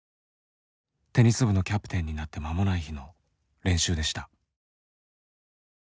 テニス部のキャプテンになって間もない日の練習でした。